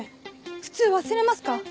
普通忘れますか？